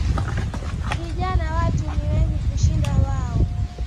Vijana watu ni wengi kushinda wao